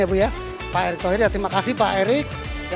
terima kasih pak erick toheri terima kasih pak erick